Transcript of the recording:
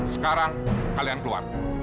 sekarang kalian keluar